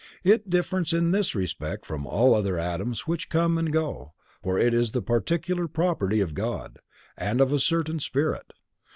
It differs in this respect from all other atoms which come and go, for it is the particular property of God, and of a certain spirit.